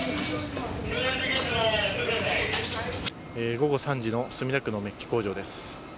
午後３時の墨田区のメッキ工場です。